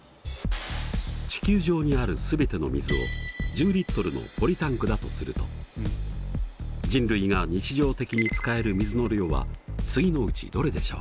地球上にある全ての水を１０Ｌのポリタンクだとすると人類が日常的に使える水の量は次のうちどれでしょう？